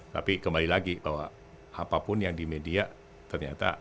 tapi kembali lagi bahwa apapun yang di media ternyata